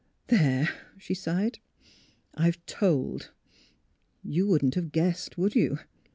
''There!" she sighed, "I've told. Yon wouldn't have guessed: would you?